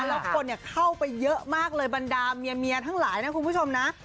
แล้วคนเข้าไปเยอะมากเลยบรรดาเมียทั้งหลายนะคุณผู้ชมนะ